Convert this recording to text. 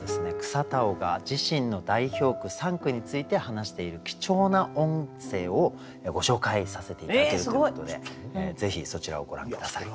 草田男が自身の代表句３句について話している貴重な音声をご紹介させて頂けるということでぜひそちらをご覧下さい。